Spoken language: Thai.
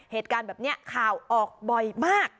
เหตุการณ์แบบนี้ข่าวออกบ่อยมาก